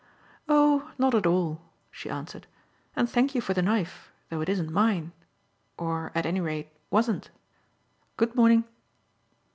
"Oh, not at all," she answered; "and thank you for the knife, though it isn't mine or, at any rate, wasn't. Good morning."